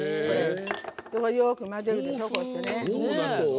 それをよく混ぜるでしょ。